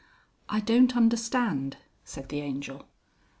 "I don't understand," said the Angel.